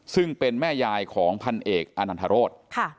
ซึ่งเป็นแม่ยายของพันเอกอนันทรศ